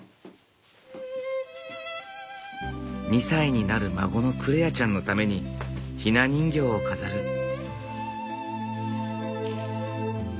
２歳になる孫のクレアちゃんのためにひな人形を飾る。